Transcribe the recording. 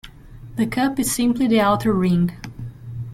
The cup is simply the outer ring.